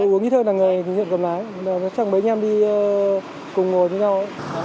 uống ít hơn là người thường gặp lái chẳng mấy anh em đi cùng ngồi với nhau